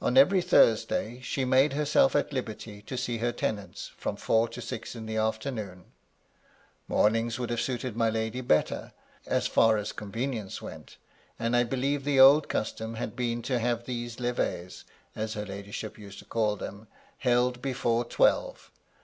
On every Thursday she made herself at liberty to see her tenants, from four to six in the afternoon. Mornings would have suited my lady better, as far as convenience went, and I believe the old custom had been to have these levees (as her lady ship used to call them) held before twelve.